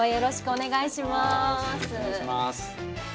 お願いします。